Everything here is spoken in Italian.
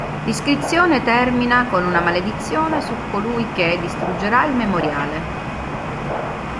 L'iscrizione termina con una maledizione su colui che distruggerà il memoriale.